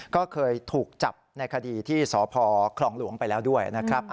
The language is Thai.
ก็เคยถูกจับในคดีที่สพคลองหลวงไปแล้วด้วยนะครับ